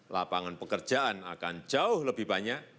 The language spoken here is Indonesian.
lapangan pekerjaan akan jauh lebih banyak